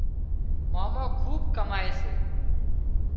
مامو کُوٻ ڪامائي سي